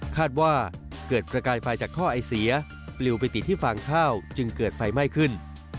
คาดว่าเกิดประกายไฟจากท่อไอเสียปลิวไปติดที่ฟางข้าวจึงเกิดไฟไหม้ขึ้น